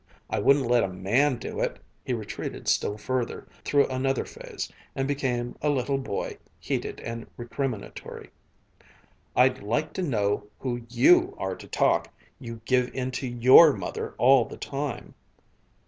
I wouldn't let a man do it." He retreated still further, through another phase, and became a little boy, heated and recriminatory: "I'd like to know who you are to talk! You give in to your mother all the time!"